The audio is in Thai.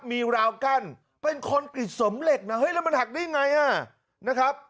มีราวกั้นเป็นคนปิดสมเหล็กนะเฮ้ยแล้วมันหักได้ไงอ่ะนะครับ